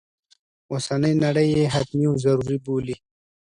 اوسنی نړی یې حتمي و ضروري بولي.